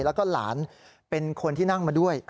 แล้วก็หลานเป็นคนที่นั่งมาด้วย